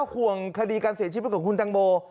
ห่วงคดีการเสียชีวิตของคุณตังโม